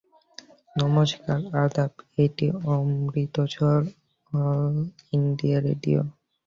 নমস্কার, আদাপ এটি অমৃতসর অল ইন্ডিয়া রেডিও।